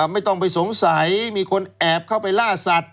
ไม่ต้องไปสงสัยมีคนแอบเข้าไปล่าสัตว